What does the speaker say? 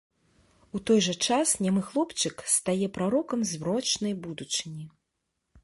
У той жа час нямы хлопчык стае прарокам змрочнай будучыні.